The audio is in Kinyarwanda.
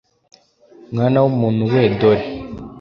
mwana w umuntu we dore